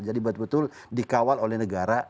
jadi betul betul dikawal oleh negara